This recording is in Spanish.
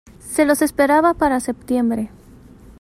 Se los esperaba para septiembre.